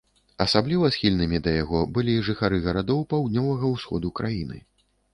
Асабліва схільнымі да яго былі жыхары гарадоў паўднёвага ўсходу краіны.